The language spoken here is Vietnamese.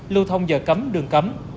lưu thông giờ cấm đường cấm